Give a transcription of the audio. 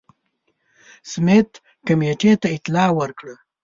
سمیت کمېټې ته اطلاع ورکړه.